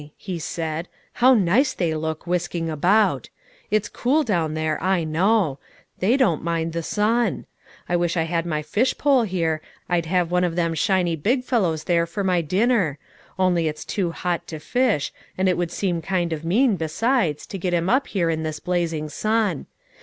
he said; "how nice they look whisking about. It's cool down there, I know; they don't mind the sun. I wish I had my fish pole here, I'd have one of them shiny big fellows there for my dinner; only it's too hot to fish, and it would seem kind of mean, besides, to get him up here in this blazing sun.